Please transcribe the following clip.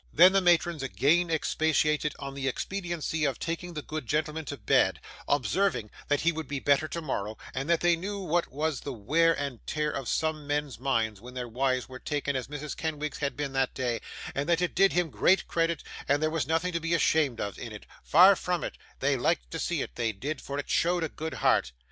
Then, the matrons again expatiated on the expediency of taking the good gentleman to bed; observing that he would be better tomorrow, and that they knew what was the wear and tear of some men's minds when their wives were taken as Mrs. Kenwigs had been that day, and that it did him great credit, and there was nothing to be ashamed of in it; far from it; they liked to see it, they did, for it showed a good heart.